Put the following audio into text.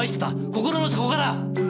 心の底から！